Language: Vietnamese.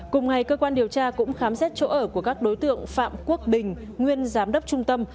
cùng ngày cơ quan điều tra cũng khám xét chỗ ở của các đối tượng phạm quốc bình nguyên giám đốc trung tâm